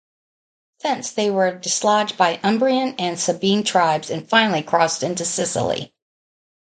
Thence they were dislodged by Umbrian and Sabine tribes, and finally crossed into Sicily.